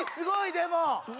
でも。